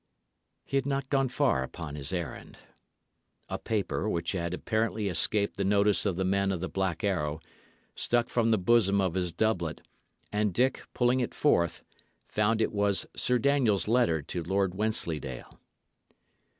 He had not gone far upon his errand. A paper, which had apparently escaped the notice of the men of the Black Arrow, stuck from the bosom of his doublet, and Dick, pulling it forth, found it was Sir Daniel's letter to Lord Wensleydale.